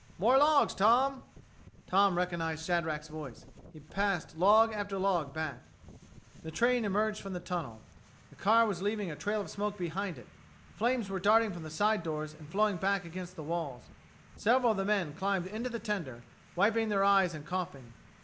"More logs, Tom." Tom recognized Shadrack's voice. He passed log after log back. The train emerged from the tunnel. The car was leaving a trail of smoke behind it; flames were darting from the side doors and flowing back against the walls. Several of the men climbed into the tender, wiping their eyes and coughing.